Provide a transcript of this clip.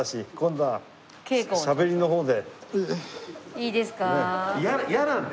いいですか？